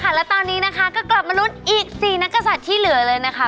แล้วตอนนี้นะคะก็กลับมาลุ้นอีก๔นักศัตริย์ที่เหลือเลยนะคะ